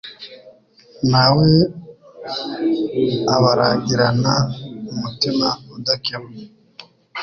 Na we abaragirana umutima udakemwa